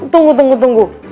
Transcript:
tunggu tunggu tunggu